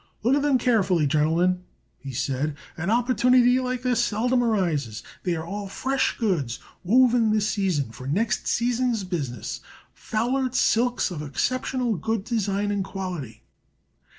"Look at them carefully, gentlemen," he said. "An opportunity like this seldom arises. They are all fresh goods, woven this season for next season's business foulard silks of exceptionally good design and quality."